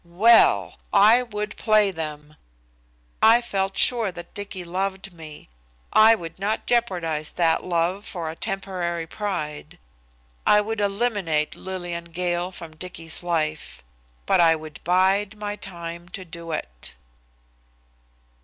Well! I would play them. I felt sure that Dicky loved me. I would not jeopardize that love for a temporary pride. I would eliminate Lillian Gale from Dicky's life, but I would bide my time to do it.